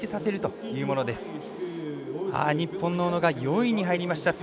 あ日本の小野が４位に入りました。